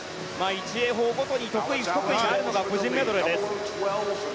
１泳法ごとに得意、不得意があるのが個人メドレーです。